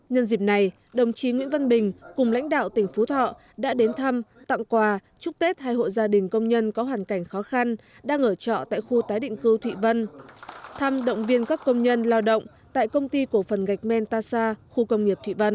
nhân dịp này đồng chí nguyễn văn bình cùng lãnh đạo tỉnh phú thọ đã đến thăm tặng quà chúc tết hai hộ gia đình công nhân có hoàn cảnh khó khăn đang ở trọ tại khu tái định cư thụy vân thăm động viên các công nhân lao động tại công ty cổ phần gạch menta khu công nghiệp thụy vân